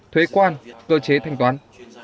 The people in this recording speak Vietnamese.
thuế quan cơ chế thành toán